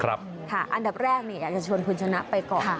อันดับแรกอยากจะชวนคุณชนะไปก่อน